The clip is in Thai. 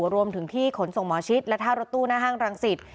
รวมถึงที่ขนส่งหมอชิดและท่ารถตู้หน้าห้างรังสิต